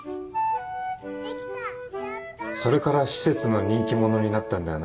それから施設の人気者になったんだよ